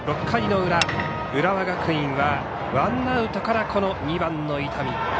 ６回の裏、浦和学院はワンアウトから２番の伊丹。